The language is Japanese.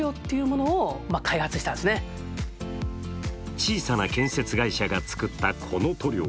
小さな建設会社が作った、この塗料。